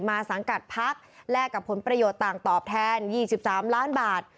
สังกัดพักแลกกับผลประโยชน์ต่างตอบแทน๒๓ล้านบาท